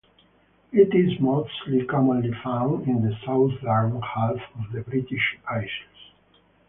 It is mostly commonly found in the southern half of the British Isles.